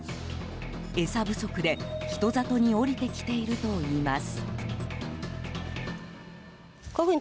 餌不足で、人里に下りてきているといいます。